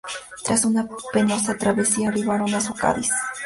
Tras una penosa travesía arribaron a Cádiz.